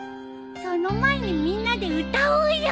その前にみんなで歌おうよ。